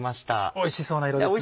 おいしそうな色ですね。